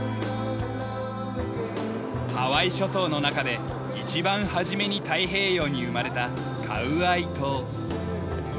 ハワイ諸島の中で一番初めに太平洋に生まれたカウアイ島。